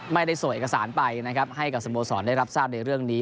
ไม่ได้ส่งเอกสารไปนะครับให้กับสโมสรได้รับทราบในเรื่องนี้